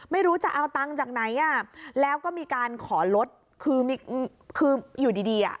ไม่รู้จะเอาตังค์จากไหนอ่ะแล้วก็มีการขอลดคือมีคืออยู่ดีดีอ่ะ